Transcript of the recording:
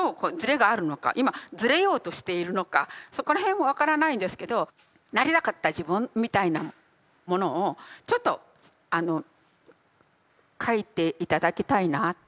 今ずれようとしているのかそこら辺は分からないんですけど「なりたかった自分」みたいなものをちょっと書いて頂きたいなっていうのがあって。